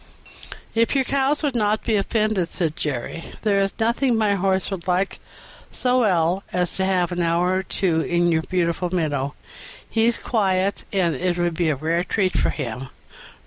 "If your cows would not be offended," said Jerry, "there is nothing my horse would like so well as to have an hour or two in your beautiful meadow; he's quiet, and it would be a rare treat for him."